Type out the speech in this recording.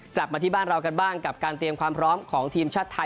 กลับมาที่บ้านเรากันบ้างกับการเตรียมความพร้อมของทีมชาติไทย